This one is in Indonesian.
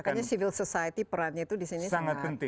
makanya civil society perannya itu disini sangat penting